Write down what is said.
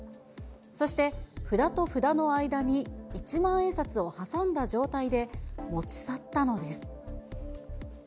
そして札と札の間に一万円札を挟んだ状態で持ち去ったのです。